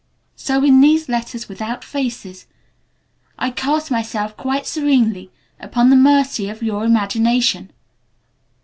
So in these 'letters without faces' I cast myself quite serenely upon the mercy of your imagination.